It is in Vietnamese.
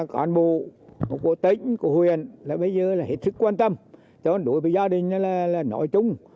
còn bộ của tỉnh của huyện là bây giờ hết sức quan tâm cho đuổi về gia đình đó là nội trung